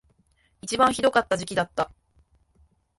一番ひどかった時期だった